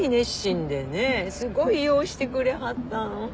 すごいようしてくれはったん。